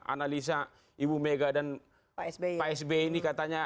analisa ibu mega dan psb ini katanya